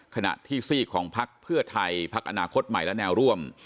ขณะที่ซีกของพักเพื่อไทยพักอนาคตใหม่และแนวร่วม